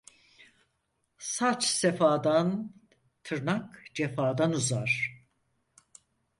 Saç sefadan, tırnak cefadan uzar.